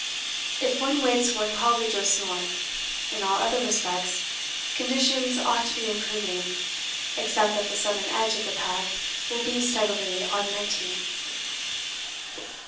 If one waits one probably drifts north in all other respects conditions ought to be improving, except that the southern edge of the pack will be steadly augmenting.